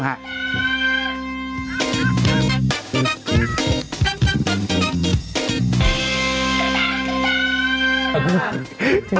เนี๊ยะครับ